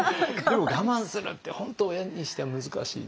でも我慢するって本当親にしては難しいですよね。